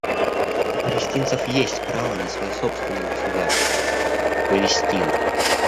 У палестинцев есть право на свое собственное государство — Палестину.